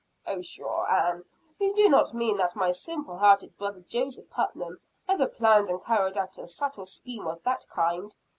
"Oh, pshaw, Ann; you do not mean that my simple hearted brother, Joseph Putnam, ever planned and carried out a subtle scheme of that kind?"